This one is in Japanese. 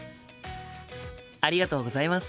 ありがとうございます。